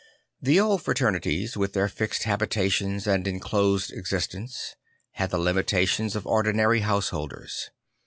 The old fraternities with their fixed habitations and enclosed existence had the limitations of ordinary householders.